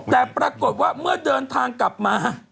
แต่ปรากฏว่าเมื่อเดินทางกลับมา